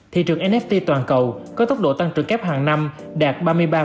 thị trường nft toàn cầu có tốc độ tăng trưởng kép hàng năm đạt ba mươi ba bốn